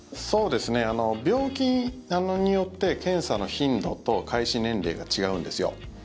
病気によって検査の頻度と開始年齢が違うんですよ。